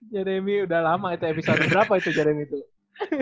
jeremy udah lama itu episode berapa itu jeremy tuh